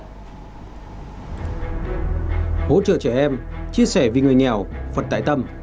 hỗ trợ trẻ em chia sẻ vì người nghèo phận tài tâm